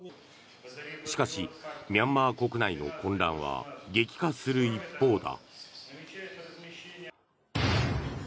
しかし、ミャンマー国内の混乱は激化する一方だ。